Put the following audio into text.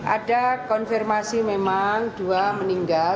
ada konfirmasi memang dua meninggal